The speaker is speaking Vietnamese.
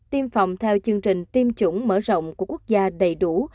tiêm phòng theo chương trình tiêm chủng mở rộng của quốc gia đầy đủ